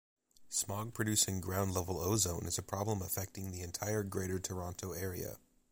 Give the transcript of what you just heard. Smog producing ground-level ozone is a problem affecting the entire Greater Toronto Area.